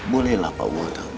bolehlah pak wo tahu